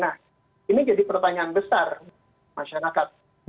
nah ini jadi pertanyaan besar masyarakat